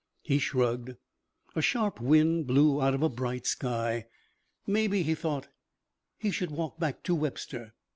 He shrugged. A sharp wind blew out of a bright sky. Maybe, he thought, he should walk back to Webster.